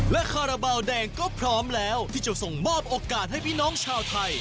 และคาราบาลแดงก็พร้อมแล้วที่จะส่งมอบโอกาสให้พี่น้องชาวไทย